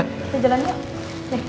kita jalan dulu